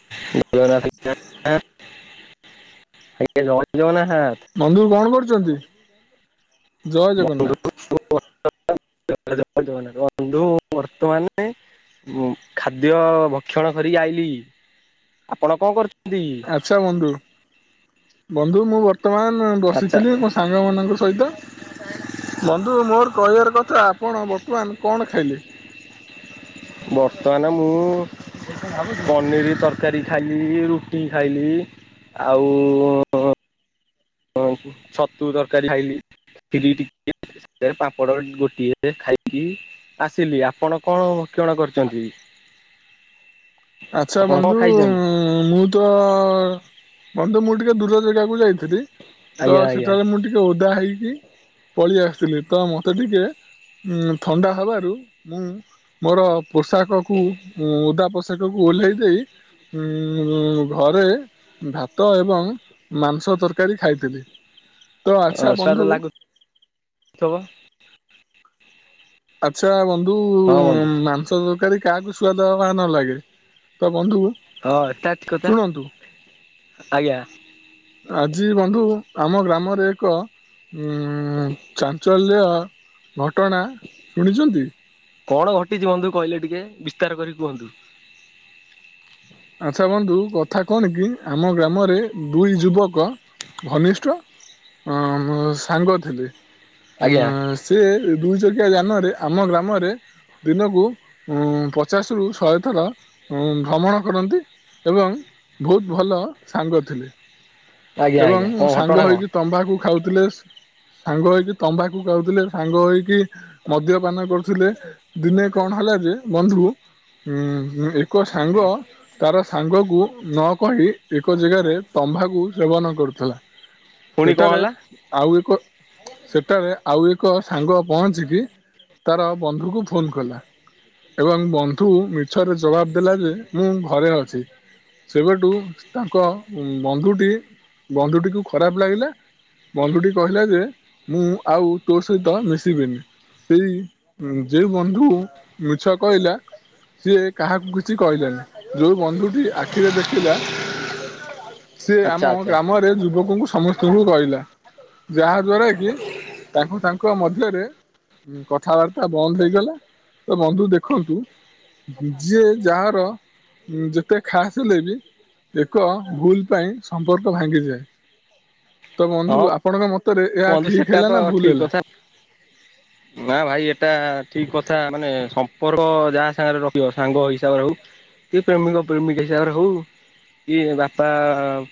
[unintelligible] ଆଜ୍ଞା ଜୟ ଜଗନ୍ନାଥ। ବନ୍ଧୁ କଣ କରୁଛନ୍ତି ଜୟ ଜଗନ୍ନାଥ। [unintelligible] ବର୍ତ୍ତମାନେ ମୁଁ ଖାଦ୍ୟ ଭକ୍ଷଣ କରିିକି ଆଇଲି ଆପଣ କଣ କରୁଛନ୍ତି? ଆଚ୍ଛା ବନ୍ଧୁ ବନ୍ଧୁ ମୁଁ ବର୍ତ୍ତମାନ ଆଚ୍ଛା ବସିଥିଲି ମୋ ସା ଙ୍ଗମାନଙ୍କ ସହିତ ବନ୍ଧୁ ମୋର କହିବାର କଥା ଆପଣ ବର୍ତ୍ତମାନ କଣ ଖାଇଲେ? ବର୍ତ୍ତମାନ ମୁଁ ପନିରି ତରକାରୀ ଖାଇଲି ରୁଟି ଖାଇଲି ଆଉ ହଁ ଛତୁ ତରକାରୀ ଖାଇଲି। ଖିରି ଟି-କେ ପାମ୍ପଡ଼ ଗୋଟିଏ ଖାଇଲି। ଆସିଲି ଆପଣ କଣ କିଅଣ କରିଚନ୍ତି? ଆଚ୍ଛା ବନ୍ଧୁ ମୁଁ ତ ବନ୍ଧୁ ମୁଁ ଟିକେ ଦୂର ଜେଗାକୁ ଯାଇଥ୍ ଥିଲି ତ ଆଜ୍ଞା ଆଜ୍ଞା ସେଠାରେ ମୁଁ ଟିକେ ଓଦା ହେଇକି ପଳେଇ ଆସିଥିଲି ତ ମତେ ଟିକେ ଉଁ ଥଣ୍ଡା ହବାରୁ ମୁଁ ମୋର ପୋଷାକକୁ ଉଁ ଓଦା ପୋଷାକକୁ ଓହ୍ଲେଇ ଦେଇ ଉଁ---ଘରେ ଭାତ ଏବଂ ମାଂସ ତରକାରୀ ଖାଇଥିଲି। ତ ଅ ଆଚ୍ଛା ବନ୍ଧୁ ସୁଆଦ ଲାଗୁ-ଥବ। ଆଚ୍ଛା ବନ୍ଧୁ ହଁ ବନ୍ଧୁ ମାଂସ ତ କାରି କାହାକୁ ସୁଆଦ ବା ନ ଲାଗେ ତ ବନ୍ଧୁ ହଁ ଏଟା ଠିକ-କଥା ଶୁଣନ୍ତୁ ଆଜ୍ଞା। ଆଜି ବନ୍ଧୁ ଆମ ଗ୍ରାମରେ ଏକ ଉଁ ଚାଞ୍ଚଲ୍ୟ ଘଟଣା ଶୁଣିଚନ୍ତି? କଣ ଘଟିଚି ବନ୍ଧୁ କହିଲେ ଟିକେ ବିସ୍ତାର କରି କୁହନ୍ତୁ। ଆଚ୍ଛା ବନ୍ଧୁ କଥା କଣ କି ଆମ ଗ୍ରାମରେ ଦୁଇ ଯୁବକ ଘନିଷ୍ଟ ଅଁ-ମ-ସାଙ୍ଗ ଥିଲେ, ଉଁ ଆଜ୍ଞା ସିଏ ଦୁଇ ଚକିଆ ଯାନରେ ଆମ ଗ୍ରାମରେ ଦିନକୁ ଉଁ ପଚାଶରୁ ଶହେଥର ଉଁ ଭ୍ରମଣ କରନ୍ତି ଏବଂ ବହୁତ୍ ଭଲ ସାଙ୍ଗ ଥିଲେ। ଆଜ୍ଞା ଆଜ୍ଞା ଏବଂ କଣ ଘଟଣା ସାଙ୍ଗ କଣ? ହେଇକି ତମ୍ବାଖୁ ଖାଉଥିଲେ ସାଙ୍ଗ ହୋଇକି ତମ୍ବାଖୁ ଖାଉଥିଲେ ସାଙ୍ଗ ହେଇକି ମଦ୍ୟପାନ କରୁଥିଲେ, ଦିନେ କଣ ହେଲା ଯେ ବନ୍ଧୁ ଉଁ ହୁଁ ଏକ ସାଙ୍ଗ ତାର ସାଙ୍ଗକୁ ନ କହି ଏକ ଜେଗାରେ ତମ୍ଭାକୁ ସେବନ କରୁଥେଲା। ପୁଣି କଣ ସେଠାରେ ହେଲା? ଆଉ ଏକ ସେଠାରେ ଆଉ ଏକ ସାଙ୍ଗ ପହଞ୍ଚିକି ତାର ବନ୍ଧୁକୁ ଫୋନ୍ କଲା। ଏବଂ ବନ୍ଧୁ ମିଛରେ ଜବାବ୍ ଦେଲା ଯେ ମୁଁ ଘରେ ଅଛି ସେବେଠୁ ସ୍ ତାଙ୍କ ବନ୍ଧୁଟି ବନ୍ଧୁଟିକୁ ଖରାପ୍ ଲାଗିଲା ବନ୍ଧୁଟି କହିଲା ଯେ ମୁଁ ଆଉ ତୋ ସହିତ ମିଶିବିନି। ସେଇ ଯେଉ ବନ୍ଧୁ ମିଛ କହିଲା ସିଏ କାହାକୁ କିଛି କହିଲାନି, ଯୋଉ ବନ୍ଧୁଟି ଆଖିରେ ଦେଖିଲା [inaudible] ସିଏ ଆମ ଆଚ୍ଛା ଗ୍ରାମରେ ଯୁବକଙ୍କୁ ସମସ୍ତଙ୍କୁ କହିଲା ଯାହା ଦ୍ଵାରା କି ତାଙ୍କୁ ତାଙ୍କ ମଧ୍ୟରେ ଉଁ କଥାବାର୍ତ୍ତା ବନ୍ଦ ହେଇଗଲା। ତ ବନ୍ଧୁ ଦେଖନ୍ତୁ ଯିଏ ଯାହାର ଉଁ ଯେତେ ଖାସ୍ ହେଲେ ବି ଏକ ଭୁଲ ପାଇଁ ସମ୍ପ୍ ସମ୍ପର୍କ ଭାଙ୍ଗିଯାଏ। ତ ବନ୍ଧୁ ହଁ ଆପଣଙ୍କ ମତରେ ଏହା ଠିକ ହେଲା ନା ଭୁଲ ହେଲା? ହ ନା ଭାଇ ଏଟା ଠିକ୍ କଥା ମାନେ ସମ୍ପର୍କ ଯାହା ସାଙ୍ଗେରେ ରଖିବ ସାଙ୍ଗ ହିସାବରେ ହଉ କି ପ୍ରେମିକ ପ୍ରେମିକା ହିସାବରେ ହଉ କି ବାପା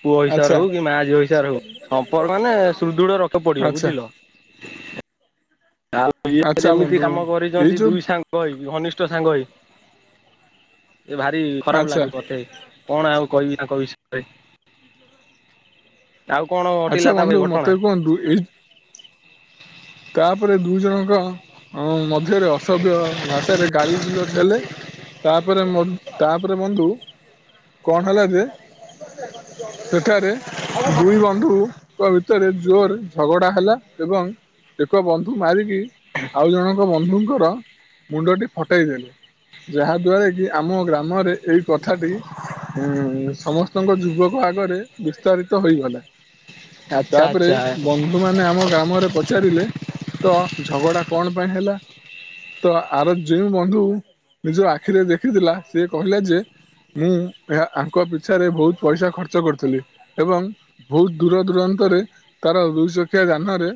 ପୁଅ ହିସାରେ ଆଚ୍ଛା। ହଉ କି ମା ଝିଅ ହିସାବାରେ ହଉ ସମ୍ପର୍କ ମାନେ ସୁଦୃଢ ରଖେ ପଡ଼ିବ ଆଚ୍ଛା ବୁଝିଲ, ଆଉ ଇଏ ଆଚ୍ଛା ଯେମିତି ବନ୍ଧୁ କାମ ଏଇ କରିଛନ୍ତି ଯୋଉ ଦୁଇ ସାଙ୍ଗ୍ ଙ୍ଗଇ ଘନିଷ୍ଠ ସାଙ୍ଗ ଏ ଭାରି ଖରାପ ଆଚ୍ଛା ଲାଗୁଛି ମତେ, କଣ ଆଉ କହିବି ତାଙ୍କ କହିବିୟରେ, ଆଉ କଣ ହଟିଲା ତା ପାଇଁ ଘଟଣା? ନ୍ତୁ ଏଇ, ତାପରେ ଦୁଇ ଜଣଙ୍କ ଅ ମଧ୍ୟରେ ଅସଭ୍ୟ ଭାଷାରେ, ଗାଳି ଗୁଲଜ ହେଲେ ତାପରେ ବନ୍ ତାପରେ ବନ୍ଧୁ, କଣ ହେଲା ଯେ ସେଠାରେ ଦୁଇ ବନ୍ଧୁ, ଙ୍କ ଭିତରେ ଜୋର ଝଗଡା ହେଲା ଏବଂ, ଏକ ବନ୍ଧୁ ମାରିକି ଆଉ ଜଣଙ୍କ ବନ୍ଧୁଙ୍କର ମୁଣ୍ଡଟି ଫଟାଇ ଦେଲେ, ଯାହା ଦ୍ୱାରା କି ଆମ ଗ୍ରାମରେ ଏହି କଥାଟି, ହୁଁ ସମସ୍ତଙ୍କ ଯୁବକ ଆଗରେ ବିସ୍ତାରିତ ହେଇଗଲା, ଆଚ୍ଛା ତାପରେ ଆଚ୍ଛା ବନ୍ଧୁ ମାନେ ଆମ ଗ୍ରାମରେ ପଚାରିଲେ, ତ ଝଗଡ଼ା କଣ ପାଇଁ ହେଲା, ତ ଆର ଯେଉ ବନ୍ଧୁ ନିଜ ଆଖିରେ ଦେଖିଥିଲା ସେ କହିଲା ଯେ, ମୁଁ ଏହା ଆଙ୍କ ପିଛାରେ ବହୁତ୍ ପଇସା ଖର୍ଚ୍ଚ କରୁଥିଲି ଏବଂ, ବହୁତ୍ ଦୂର ଦୂରାନ୍ତରେ ତାର ଦୁଇଚଖିଆ ଯାନରେ,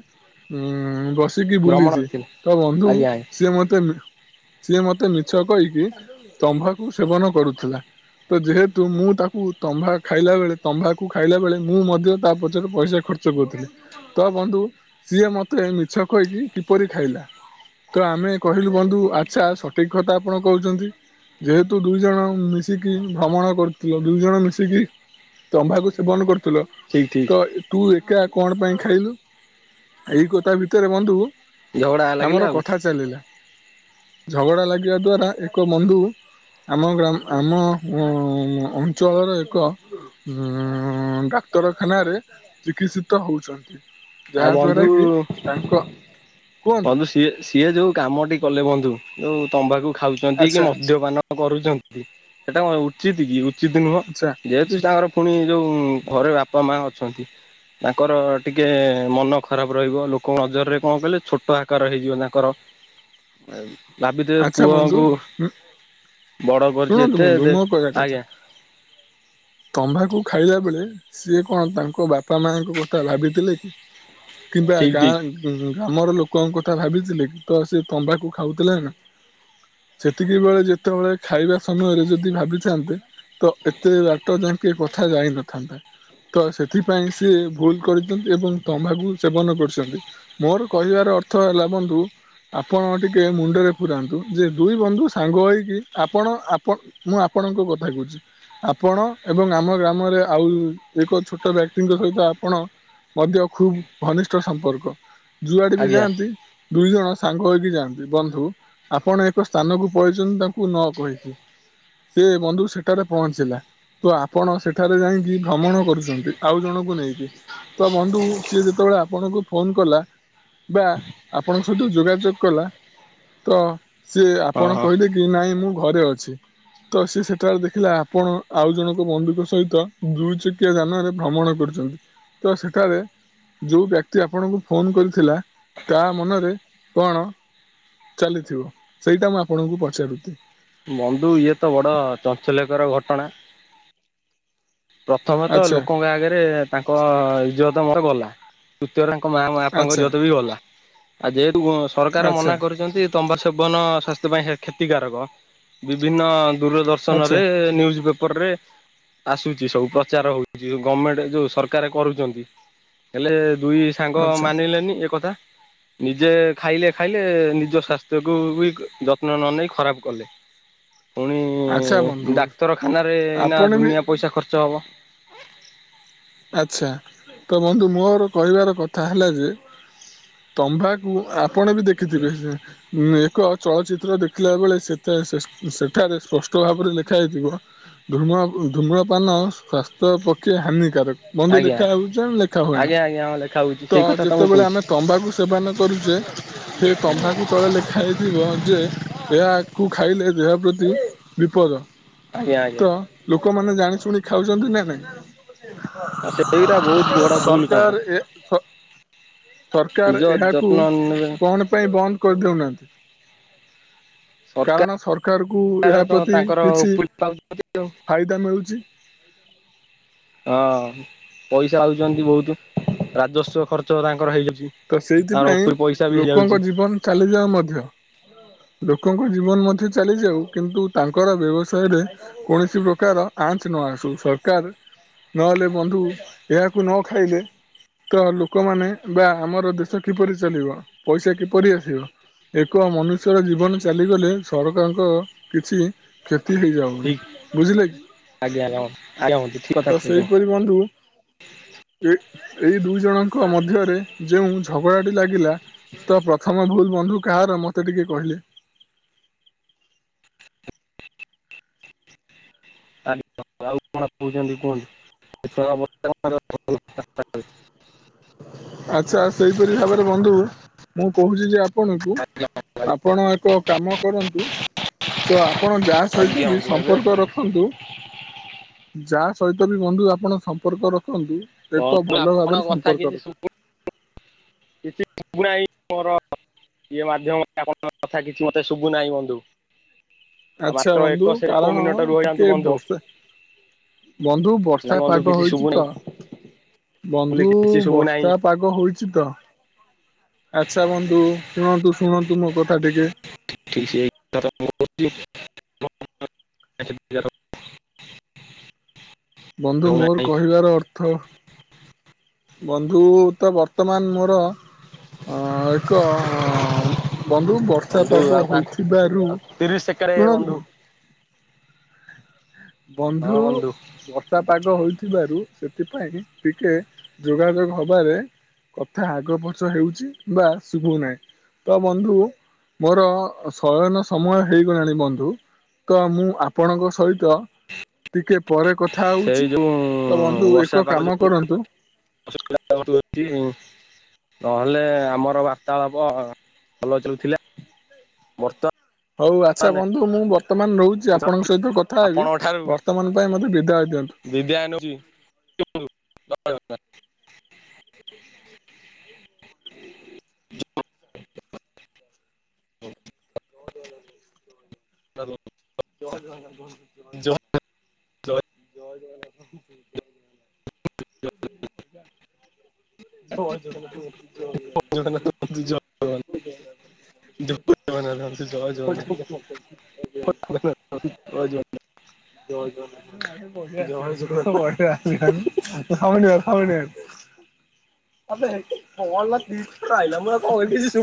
ଉଁ ବସିକି ଭ୍ରମଣ ବୁଲିଛି କରିଥିଲେ ତ ବନ୍ଧୁ ଆଜ୍ଞା ଆଜ୍ଞା ସିଏ ମତେ ବି, ସିଏ ମତେ ମିଛ କହିକି ତମ୍ଭାକୁ ସେବନ କରୁଥିଲା, ତ ଯେହେତୁ ମୁଁ ତାକୁ ତମ୍ବା ଖାଇଲା ବେଳେ ତମ୍ଭାକୁ ଖାଇଲା ବଳେ ମୁଁ ମଧ୍ୟ ତା ପଛରେ ପଇସା ଖର୍ଚ୍ଚ୍ ତ କରୁଥିଲି ତ ବନ୍ଧୁ ସିଏ ମତେ ମିଛ କହିକି କିପରି ଖାଇଲା, ତ ଆମେ କହିଲୁ ବନ୍ଧୁ ଆଚ୍ଛା ସଠିକ୍ କଥା ଆପଣ କହୁଛନ୍ତି, ଯେହେତୁ ଦୁଇ ଜଣ ମିଶିକି ଭ୍ରମଣ କରିଥିଲ ଦୁଇ ଜଣ ମିଶିକି, ତମ୍ଭାକୁ ସେବନ କରୁଥିଲ, ଠିକ୍ ଠିକ୍, ତ ତୁ ଏକା କଣ ପାଇଁ ଖାଇଲୁ? ଏଇ କଥା ଭିତରେ ବନ୍ଧୁ ଝଗଡ଼ା ଲାଗିଲେ ଆମର ଆଉ। କଥା ଚାଲିଲା, ଝଗଡ଼ା ଲାଗିବା ଦ୍ଵାରା ଏକ ବନ୍ଧୁ, ଆମ ଗ୍ରାମ୍ ଆମ ଅଞ୍ଚଳର ଏକ, ଉଁ ଡାକ୍ତରଖାନ ରେ ଚିକିତ୍ସିତ ହଉଛନ୍ତି, ଆଉ ବନ୍, ତାକି ତାଙ୍କ, କୁହନ୍ତୁ ବନ୍ଧୁ ସିଏ-ସିଏ ଯୋଉ କାମଟି କଲେ ବନ୍ଧୁ ଯୋଉ ତମ୍ବାଖୁ ଖାଉଛନ୍ତି କି ଆଚ୍ଛା ମଦ୍ୟପାନ, କରୁଛନ୍ତି ସେଟା କଣ ଉଚିତ କି ଉଚିତ ନୁହଁ ଆଚ୍ଛା ଯେହେତୁ ତାଙ୍କର, ପୁଣି ଯୋଉ ଘରେ ବାପା ମା ଅଛନ୍ତି, ତାଙ୍କର ଟିକେ ମନ ଖରାପ୍ ରହିବ ଲୋକଙ୍କ ନଜରରେ କଁ କହିଲେ ଛୋଟ୍ ଟହାକାର ହେଇଯିବ ତାଙ୍କର ଭାବିଥିବେ ଆଚ୍ଛା ବନ୍ଧୁ ପୁଅଙ୍କୁ, ବଡ଼ କରିଛି ଶୁଣନ୍ତୁ ଏତେ ବନ୍ଧୁ ଦେ ମୋ ଆଜ୍ଞା, ତମ୍ଭାକୁ ଖାଇଲା ବେଳେ ସିଏ କଣ ତାଙ୍କ ବାପା ମାଙ୍କ କଥା ଭାବିଥିଲେ କି, କିମ୍ବା ଠିକ୍ ଗାଁ ଠିକ୍ ଗ୍ରାମର ଲୋକଙ୍କ କଥା ଭାବିଥିଲେ କି ତ ସେ ତମ୍ବାକୁ ଖାଉଥିଲେ ନା, ସେତିକି ବେଳେ ଯେତେବେଳେ ଖାଇବା ସମୟରେ ଯଦି ଭାବିଥାନ୍ତେ, ତ ଏତେ ବାଟ ଯାଆଁକେ କଥା ଯାାଇ ନଥାନ୍ତେ ତ ସେଥିପାଇଁ ସିଏ ଭୁଲ କରିଛନ୍ତି ଏବଂ ତମ୍ଭାକୁ ସେବନ କରିଛନ୍ତି, ମୋର କହିବାର ଅର୍ଥ ହେଲା ବନ୍ଧୁ ଆପଣ ଟିକେ ମୁଣ୍ଡରେ, ରନ୍ତୁ ଯେ ଦୁଇ ବନ୍ଧୁ ସାଙ୍ଗ ହେଇକି ଆପଣ ଆପଣ ମୁଁ ଆପଣଙ୍କ କଥା କହୁଛି। ଆପଣ ଏବଂ ଆମ ଗ୍ରାମରେ ଆଉ ଏକ ଛୋଟ ବ୍ୟକ୍ତିଙ୍କ ସହିତ ଆପଣ ମଧ୍ୟ ଖୁବ ଘନିଷ୍ଠ ସମ୍ପର୍କ। ଯୁଆଡେ ବି ଆଜ୍ଞା ଯାଆନ୍ତି ଦୁଇ ଜଣ ସାଙ୍ଗ ହେଇକି ଯାଆନ୍ତି ବନ୍ଧୁ। ଆପଣ ଏକ ସ୍ଥାନକୁ ପଳେଇଛନ୍ତି ତାଙ୍କୁ ନ କହିକି। ସେ ବନ୍ଧୁ ସେଠାରେ ପହଞ୍ଚିଲା। ତ ଆପଣ ସେଠାରେ ଯାଇକି ଭ୍ରମଣ କରୁଛନ୍ତି ଆଉ ଜଣଙ୍କୁ ନେଇକି। ତ ବନ୍ଧୁ ସିଏ ଯେତେବେଳେ ଆପଣଙ୍କୁ ଫୋନ କଲା। ବା ଆପଣଙ୍କ ସହିତ ଯୋଗାଯୋଗ କଲା। ତ ସିଏ ହଁ ଆପଣ ହଁ। କହିଲେ କି ନାଇଁ ମୁଁ ଘରେ ଅଛି। ତ ସିଏ ସେଠାରେ ଦେଖିଲା ଆପଣ ଆଉ ଜଣଙ୍କ ବନ୍ଧୁଙ୍କ ସହିତ ଦୁଇ ଚକିଆ ଯାନରେ ଭ୍ରମଣ କରୁଛନ୍ତି। ତ ସେଠାରେ ଯୋଉ ବ୍ୟକ୍ତି ଆପଣଙ୍କୁ ଫୋନ କରିଥିଲା ତା ମନରେ କଣ ଚାଲିଥିବ ସେଇଟା ମୁଁ ଆପଣଙ୍କୁ ପଚାରୁଥି। ବନ୍ଧୁ ଇଏ ତ ବଡ ଚାଞ୍ଚଲକର ଘଟଣା। ପ୍ରଥମେ ତ ଆଚ୍ଛା ଲୋକଙ୍କ ଆଗରେ ତାଙ୍କ ଇଜ୍ଜତ ମୋର ଗଲା। ତୃତୀୟ ତାଙ୍କ ମା [inaudible] ବାପାଙ୍କ ଆଚ୍ଛା ଯତେ ବି ଗଲା ଆଉ ଯେହେତୁ ସରକାର ଆଚ୍ଛା ମନା କରିଛନ୍ତି ତମ୍ବା ସେବନ ସ୍ୱାସ୍ଥ୍ୟ ପାଇଁ କ୍ଷତିକାରକ। ବିଭିନ୍ନ ଦୂରଦ ର୍ଶନ ଆଚ୍ଛା ରେ ନ୍ୟୁଜ୍ ପେପରରେ ଆସୁଛି ସବୁ ପ୍ରଚାର ହଉଛି ଗଭର୍ଣମେଣ୍ଟ ଯୋଉ ସରକାର କରୁଛନ୍ତି। ହେଲେ ଦୁଇ ସାଙ୍ଗ ଆଚ୍ଛା ମାନିଲେନି ଏ କଥା। ନିଜେ ଖାଇଲେ ଖାଇଲେ ନିଜ ସ୍ୱାସ୍ଥ୍ୟକୁ ବି ଯତ୍ନ ନ ନେଇେଇ ଖରାପ କଲେ। ପୁଣି ଆଚ୍ଛା ବନ୍ଧୁ ଡାକ୍ତରଖାନାରେ ଏଇନା ଆପଣ ବି ଦୁନିଆ ପଇସା ଖର୍ଚ୍ଚ ହବ। ଆଚ୍ଛା ତ ବନ୍ଧୁ ମୋର କହିବାର କଥା ହେଲା ଯେ ତମ୍ଭାଖୁ ଆପଣ ବି ଦେଖିଥିବେ ସେ ଉଁ ଏକ ଚଳଚିତ୍ର ଦେଖିଲା ବେଳେ ସେ ସେଠାରେ ସ୍ପଷ୍ଟ ଭାବରେ ଲେଖା ହେଇଥିବ। ଧୂମ ଧୂମ୍ରପାନ ସ୍ୱାସ୍ଥ୍ୟ ପକ୍ଷେ ହାନିକାରକ। ବନ୍ଧୁ ଆଜ୍ଞା ଲେଖା ହଉଛ ଲେଖା ହୁଏନା ଆଜ୍ଞା ଆଜ୍ଞା ହଁ ଲେଖା ହଉଛି ତ ସେଇ କଥା ତମକୁ ଯେତେବେଳେ କହୁଛି ଆମେ ତମ୍ବାଖୁ ସେବନ କରୁଛେ ସେ ତମ୍ଭାଖୁ ତଳେ ଲେଖା ହେଇଥିବ ଯେ ଏହାକୁ ଖାଇଲେ ଦେହ ପ୍ରତି ବିପଦ। ଆଜ୍ଞା ତ ଆଜ୍ଞା ଲୋକମାନେ ଜାଣି ଶୁଣି ଖାଉଛନ୍ତି ନା ନାଇଁ। ସେଇଗୁରା ବହୁତ ବଡ ଭୁଲ କାମ ସରକାର ଏ ସ ସରକାର ନିଜ ଏହାକୁ ଯତ୍ନ ନେବେ କଣ ପାଇଁ ବନ୍ଦ କରିଦଉନାହାନ୍ତି? କାରଣ ସରକାର ସରକାରକୁ ଏହା ତ ପ୍ରତି ତାଙ୍କର କିଛି ଉପୁରି ପାଉଛନ୍ତି ଆଉ ଫାଇଦା ମିଳୁଛି। ହଁ ପଇସା ଆଉଛନ୍ତି ବହୁତ ରାଜସ୍ୱ ଖର୍ଚ୍ଚ ତାଙ୍କର ହେଇଯାଉଛି। ତ ତାର ସେଇଥିପାଇଁ ଉପରି ପଇସା ବି ହେଇଯାଉଛି ଲୋକଙ୍କ ଜୀବନ ଚାଲିଯାଉ ମଧ୍ୟ ଲୋକଙ୍କ ଜୀବନ ମଧ୍ୟ ଚାଲିଯାଉ କିନ୍ତୁ ତାଙ୍କର ବ୍ୟବସାୟରେ କୌଣସି ପ୍ରକାର ଆଞ୍ଚ ନ ଆସୁ ସରକାର ନହେଲେ ବନ୍ଧୁ ଏହାକୁ ନ ଖାଇଲେ ତ ଲୋକମାନେ ବା ଆମର ଦେଶ କିପରି ଚାଲିବ ପଇସା କିପରି ଆସିବ? ଏକ ମନୁଷ୍ୟର ଜୀବନ ଚାଲିଗଲେ ସରକାରଙ୍କ କିଛି କ୍ଷତି ହେଇଯାଉ ଠିକ ଆଜ୍ଞା [unintelligible] ଠିକ କଥା କହିଲେ କୁହନ୍ତୁ। ଏ ଏଇ ଦୁଇ ଜଣଙ୍କ ମଧ୍ୟରେ ଯେଉଁ ଝଗଡ଼ାଟି ଲାଗିଲା। ତ ପ୍ରଥମେ ଭୁଲ ବନ୍ଧୁ କାହାର ମତେ ଟିକେ କହିଲେ। ଆଉ କଣ କହୁଛନ୍ତି କୁହନ୍ତୁ [unintelligible] ଆଚ୍ଛା ସେଇପରି ଭାବରେ ବନ୍ଧୁ ମୁଁ କହୁଛି ଯେ ଆପଣଙ୍କୁ ଆପଣ ଏକ କାମ କରନ୍ତୁ ତ ଆପଣ ଯାହା ସହିତ ଆଜ୍ଞା ବି ବନ୍ଧୁ ଏବେ ସମ୍ପର୍କ ରଖ ଖନ୍ତୁ ଯାହା ସହିତ ବି ବନ୍ଧୁ ଆପଣ ସମ୍ପର୍କ ରଖନ୍ତୁ ଏକ ଭଲ ଆପଣଙ୍କ ଭାବରେ କଥା ସମ୍ପର୍କ କିଛି ରଖ। [unintelligible] ମୋର ଇଏ ମାଧ୍ୟମରେ ଆପଣଙ୍କ କଥା କିଛି ମତେ ଶୁଭୁନାହିଁ ବନ୍ଧୁ। ଆଉ ଆଚ୍ଛା ମାତ୍ର ଏକ ବନ୍ଧୁ ସେ ଏକ କାରଣ ମିନିଟ ରୁହଯାଆନ୍ତୁ ଟିକେ ବନ୍ଧୁ ବର୍ଷା ବନ୍ଧୁ ନା ବର୍ଷା ବନ୍ଧୁ ପାଗ କିଛି ହୋଇଛି ଶୁଭୁ ନାହିଁ ତ ବୋଲି ବନ୍ଧୁ କିଛି ଶୁଭୁ ନାହିଁ। ବର୍ଷା ପାଗ ହୋଇଛି ତ ଆଚ୍ଛା ବନ୍ଧୁ ଶୁଣନ୍ତୁ ଶୁଣନ୍ତୁ ମୋ କଥା ଟିକେ। [unintelligible] ବନ୍ଧୁ ମୋର ହଉନାହିଁ କହିବାର ଅର୍ଥ ବନ୍ଧୁ ତ ବର୍ତ୍ତମାନ ମୋର ଏକ ବନ୍ଧୁ ବର୍ଷା ବନ୍ଧୁ ଆଉ ପାଗ ପା ହୋଇଥିବାରୁ ଆଉ ତିରିଶ ସେକେଣ୍ଡ ବନ୍ଧୁ ଶୁଣନ୍ତୁ ବନ୍ଧୁ ବ ର୍ଷା ପାଗ ହୋଇଥିବାରୁ ସେଥିପାଇଁ ଟିକେ ଯୋଗାଯୋଗ ହବାରେ କଥା ଆଗ ପଛ ହେଉଛି ବା ଶୁଭୁନାହିଁ। ତ ବନ୍ଧୁ ମୋର ଶୟନ ସମୟ ହେଇଗଲାଣି ବନ୍ଧୁ। ତ ମୁଁ ଆପଣଙ୍କ ସହିତ ଟିକେ ପରେ କଥା ସେଇ ହଉଛି ଯୋଉ ତ ବନ୍ଧୁ ବର୍ଷା ଏକ ପାଗ କାମ ଯୋଉ କରନ୍ତୁ [unintelligible] ନହେଲେ ଆମର ବାର୍ତ୍ତାଳାପ ଭଲ ଚାଲୁଥିଲା ବର୍ତ୍ତମାନ ହଉ ଆଚ୍ଛା ବନ୍ଧୁ ମୁଁ ବର୍ତ୍ତମାନ ରହୁ ଜି ଆପଣଙ୍କ ସହିତ କଥା ହେବି ବର୍ତ୍ତମାନ ପାଇଁ ମୋତେ ବିଦାୟ ଦିଅନ୍ତୁ। ବିଦ୍ୟାୟ ନଉଛି [unintelligible] ହୁଁ। ହ [unintelligible] ଜୟ ଜଗନ୍ନାଥ ବନ୍ଧୁ। ଜୟ ଜୟ [unintelligible] ଜୟ ଜଗନ୍ନାଥ ବନ୍ଧୁ ଜୟ ଜଗନ୍ନାଥ ବନ୍ଧୁ ଜୟ ଜଗନ୍ନାଥ ଜୟ ଜଗନ୍ନାଥ ବନ୍ଧୁ ଜୟ ଜଗନ୍ନାଥ ବନ୍ଧୁ। [unintelligible] [unintelligible] ଜୟ ଜଗନ୍ନାଥ। ଜୟ ଜଗନ୍ନାଥ। [inaudible] ମତେ କଲ ର ଦି ଥର ଆଇଲା ମୁଁ [unintelligible]